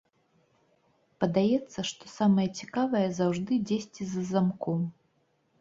Падаецца, што самае цікавае заўжды дзесьці за замком.